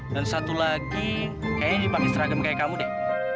dan satu lagi kayaknya dipakai seragam kayak kamu deh